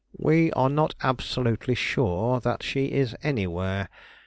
"We are not absolutely sure that she is anywhere.